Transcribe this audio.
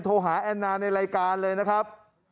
โทรหาแอนนาในรายการเลยนะครับ